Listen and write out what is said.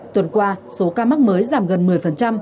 tuần qua số ca mắc mới giảm gần một mươi